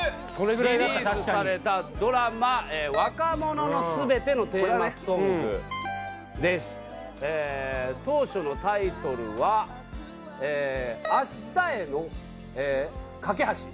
「リリースされたドラマ『若者のすべて』のテーマソング」「当初のタイトルは“明日への架け橋”」